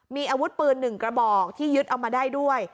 มีอาวุธปืน๑กระบอกที่ยึดเอามาได้ด้วย